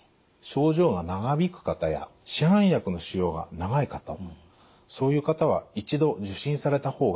症状が長引く方や市販薬の使用が長い方そういう方は一度受診された方がいいと思います。